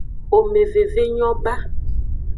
Xomeveve nyo ba.